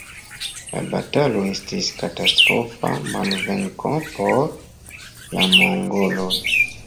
La batalo estis katastrofa malvenko por la mongoloj.